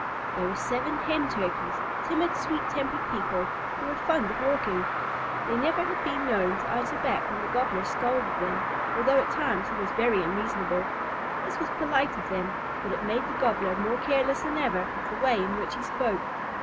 There were seven Hen Turkeys, timid, sweet tempered people, who were fond of walking. They had never been known to answer back when the Gobbler scolded them, although at times he was very unreasonable. This was polite of them, but it made the Gobbler more careless than ever of the way in which he spoke.